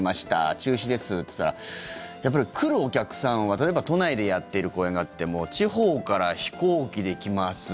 中止ですっていったらやっぱり来るお客さんは、例えば都内でやってる公演があっても地方から飛行機で来ます